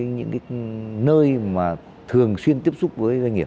những cái nơi mà thường xuyên tiếp xúc với doanh nghiệp